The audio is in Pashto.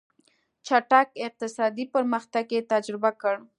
چټک اقتصادي پرمختګ یې تجربه کړ.